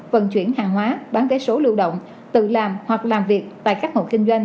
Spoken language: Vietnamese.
vận chuyển hàng hóa bán vé số lưu động tự làm hoặc làm việc tại các hộ kinh doanh